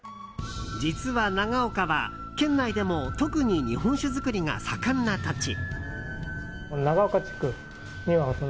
実は長岡は県内でも特に日本酒造りが盛んな土地。